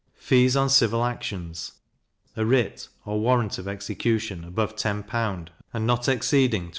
Fees on civil actions: a writ, or warrant of execution, above 10l. and not exceeding 20l.